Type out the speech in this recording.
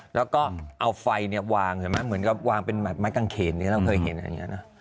แล้วก็เอาไฟเนี่ยวางเห็นไหมเหมือนกับวางเป็นไม้กางเขนนี้เราเคยเห็นอย่างนี้นะ